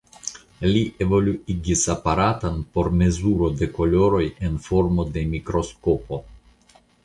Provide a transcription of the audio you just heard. Li evoluigis aparaton por mezuro de koloroj en formo de mikroskopo.